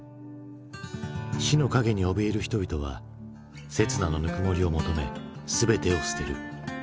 死の影におびえる人々は刹那のぬくもりを求め全てを捨てる。